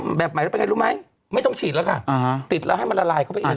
แล้วแบบใหม่ไปไงรู้ไหมไม่ต้องฉีดแล้วค่ะติดแล้วให้มันละลายเข้าไปเอาอีก